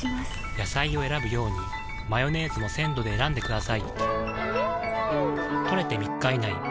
野菜を選ぶようにマヨネーズも鮮度で選んでくださいん！